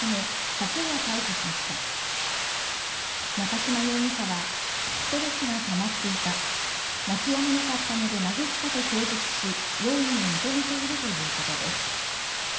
昨夜逮捕しました中島容疑者はストレスがたまっていた泣き止まなかったので殴ったと供述し容疑を認めているということです